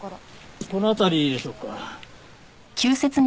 この辺りでしょうか。